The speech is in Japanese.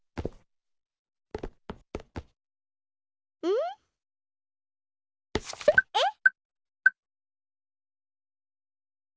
うん？えっ？